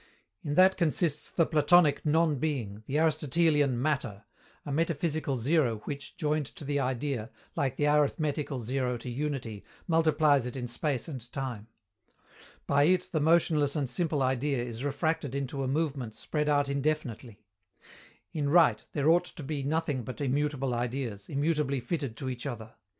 In that consists the Platonic "non being," the Aristotelian "matter" a metaphysical zero which, joined to the Idea, like the arithmetical zero to unity, multiplies it in space and time. By it the motionless and simple Idea is refracted into a movement spread out indefinitely. In right, there ought to be nothing but immutable Ideas, immutably fitted to each other.